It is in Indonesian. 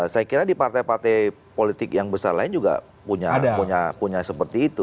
saya kira di partai partai politik yang besar lain juga punya seperti itu